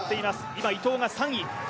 今、伊藤が３位。